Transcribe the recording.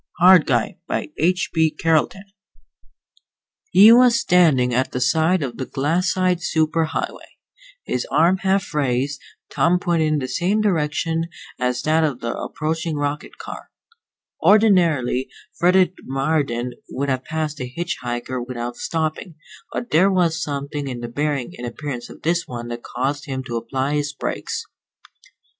_ HARD GUY By H. B. CARLETON He was standing at the side of the glassite super highway, his arm half raised, thumb pointed in the same direction as that of the approaching rocket car. Ordinarily Frederick Marden would have passed a hitch hiker without stopping, but there was something in the bearing and appearance of this one that caused him to apply his brakes.